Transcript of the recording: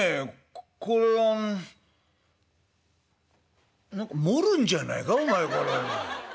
ここの何か漏るんじゃないかお前これ。